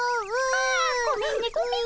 ああごめんねごめんね。